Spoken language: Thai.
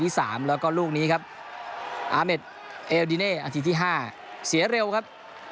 สามแล้วก็ลูกนี้ครับอาเมดเอลดิเน่นาทีที่๕เสียเร็วครับ